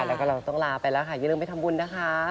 แล้วก็เราต้องลาไปแล้วค่ะอย่าลืมไปทำบุญนะคะ